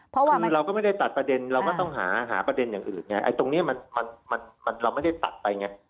เพราะว่าเราก็ไม่ได้ตัดประเด็นเราก็ต้องหาประเด็นอย่างอื่นไงไอ้ตรงนี้มันเราไม่ได้ตัดไปไง